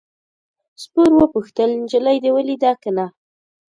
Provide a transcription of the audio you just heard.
سپور وپوښتل نجلۍ دې ولیده که نه.